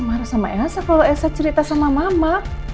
kamu enggak usah marah sama elsa kalau elsa cerita sama mama